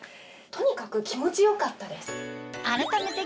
とにかく気持ち良かったです。